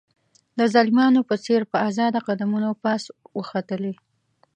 د زلمیانو په څېر په آزاده قدمونو پاس وختلې.